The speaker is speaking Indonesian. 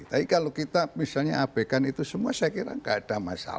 tapi kalau kita misalnya abekan itu semua saya kira nggak ada masalah